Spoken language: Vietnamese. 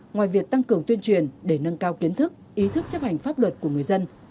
ngoài việc tăng cường tuyên truyền để nâng cao kiến thức ý thức chấp hành pháp luật của người dân